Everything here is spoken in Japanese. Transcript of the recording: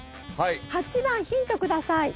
８番ヒント下さい。